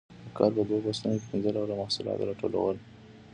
د کال په دوو فصلونو کې پنځه ډوله محصولات راټولول